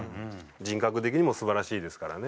人格的にも素晴らしいですからね。